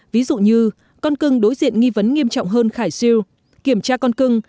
ví dụ như con cưng đối diện nghi vấn nghiêm trọng hơn khải siêu kiểm tra con cưng